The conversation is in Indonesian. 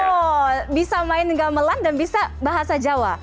oh bisa main gamelan dan bisa bahasa jawa